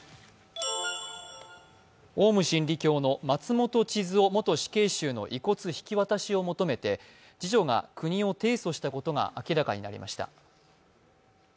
オウム真理教の松本智津夫元死刑囚の遺骨引き渡しを求めて次女が国を提訴したことが明らかになりました。